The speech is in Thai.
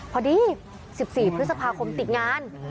พอดี๑๔พฤษภาคมติดงาน